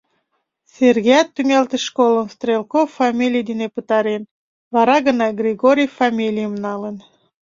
Сергеят тӱҥалтыш школым Стрелков фамилий дене пытарен, вара гына Григорьев фамилийым налын.